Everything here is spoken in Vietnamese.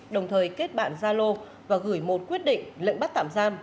đồng thời kết bạn gia lô và gửi một quyết định lệnh bắt tạm giam